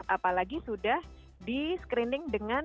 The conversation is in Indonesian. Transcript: apalagi sudah di screening dengan